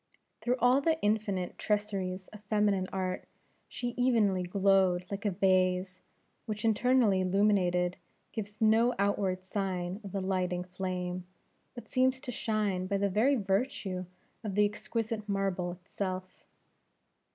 Through all the infinite traceries of feminine art, she evenly glowed like a vase which, internally illuminated, gives no outward sign of the lighting flame, but seems to shine by the very virtue of the exquisite marble itself.